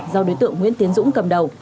do đối tượng nguyễn tiến dũng cầm đầu